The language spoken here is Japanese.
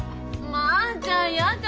まあちゃんやだ！